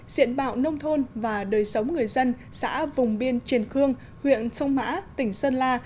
diện mạo nông thôn và đời sống người dân xã vùng biên triền khương huyện sông mã tỉnh sơn la